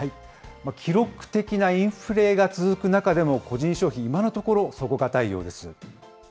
記録的なインフレが続く中でも個人消費、今のところ、底堅いようです。